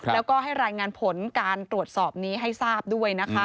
แล้วก็ให้รายงานผลการตรวจสอบนี้ให้ทราบด้วยนะคะ